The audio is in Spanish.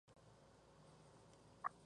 Durante su segundo mandato como presidente.